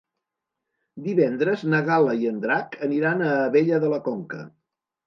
Divendres na Gal·la i en Drac aniran a Abella de la Conca.